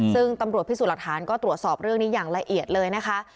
ซึ่งตำรวจพิสูจน์หลักฐานก็ตรวจสอบเรื่องนี้อย่างละเอียดเลยนะคะ